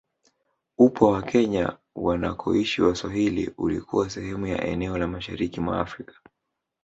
Upwa wa Kenya wanakoishi Waswahili ulikuwa sehemu ya eneo la mashariki mwa Afrika